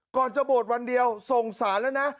ก่อนจะบวชวันเดียวส่งสารแล้วนะ